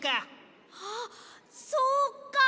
あっそうか！